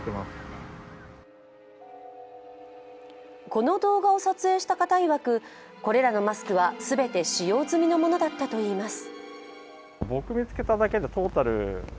この動画を撮影した方いわく、これらのマスクは全て使用済みのものだったといいます。